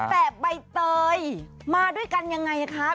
แต่ใบเตยมาด้วยกันยังไงคะ